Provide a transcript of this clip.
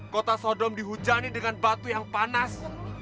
kota sodom dihujani dengan batu yang panas